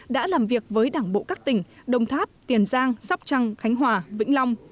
đã làm việc với đảng bộ các tỉnh đồng tháp tiền giang sóc trăng khánh hòa vĩnh long